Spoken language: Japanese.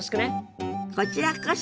こちらこそ。